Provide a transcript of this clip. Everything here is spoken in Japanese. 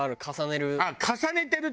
重ねる。